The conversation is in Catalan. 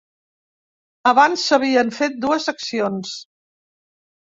Abans s’havien fet dues accions.